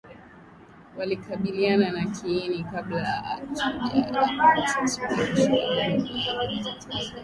kukabiliana na kiini kabla hatujapata suluhisho la kudumu kwa tatizo la